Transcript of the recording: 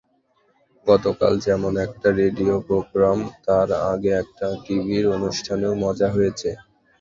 গতকাল যেমন একটা রেডিও প্রোগ্রাম, তার আগে একটা টিভির অনুষ্ঠানেও মজা হয়েছে।